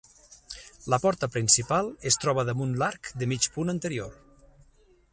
La porta principal es troba damunt l'arc de mig punt anterior.